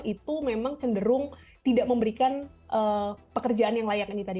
itu memang cenderung tidak memberikan pekerjaan yang layak ini tadi